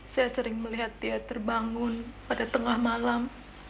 saya sering melihat dia terbangun pada tengah malam